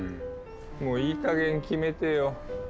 もういいかげん決めてよ。